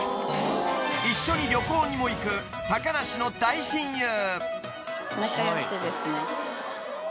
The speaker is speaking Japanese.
［一緒に旅行にも行く高梨の大親友］